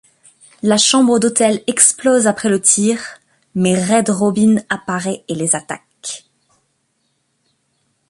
La chambre d'hôtel explose après le tir, mais Red Robin apparaît et les attaque.